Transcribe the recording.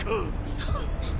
そんな！！